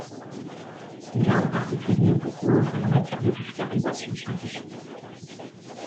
Il a en particulier beaucoup œuvré en matière de vulgarisation scientifique.